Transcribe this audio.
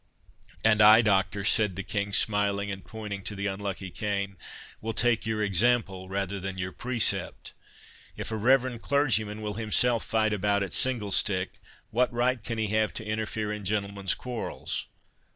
"And I, Doctor," said the King, smiling, and pointing to the unlucky cane, "will take your example rather than your precept. If a reverend clergyman will himself fight a bout at single stick, what right can he have to interfere in gentlemen's quarrels?